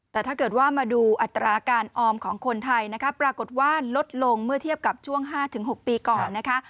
แต่ถ้าเกิดว่ามาดูอัตราการออมของคนไทยนะคะปรากฏว่าลดลงเมื่อเทียบกับช่วง๕๖ปีก่อนนะคะ